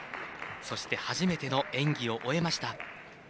そして、初めての演技を終えました。